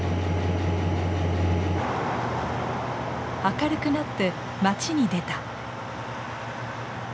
明るくなって町に出た。